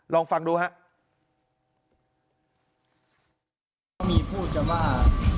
ลองฟังดูฮะ